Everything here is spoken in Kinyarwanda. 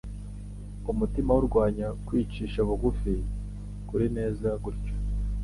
Umutima we urwanya kwicisha bugufi kulneze gutyo.